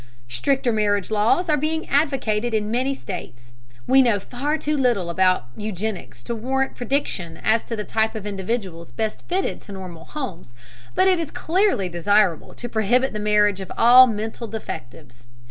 Stricter marriage laws are being advocated in many states. We know far too little about eugenics to warrant prediction as to the type of individuals best fitted to build normal homes, but it is clearly desirable to prohibit the marriage of all mental defectives.